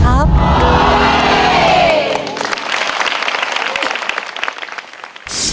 ตอบที่